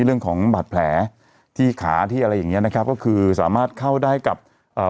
เรื่องของบาดแผลที่ขาที่อะไรอย่างเงี้นะครับก็คือสามารถเข้าได้กับเอ่อ